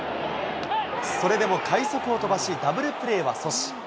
それでも快足を飛ばし、ダブルプレーは阻止。